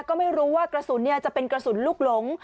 ก็ไม่รู้ว่ากระสุนจะเป็นกระสุนลูกหลง